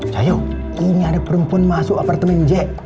cayu ini ada perempuan masuk apartemen jack